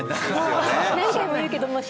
何回も言うけどもう鮭。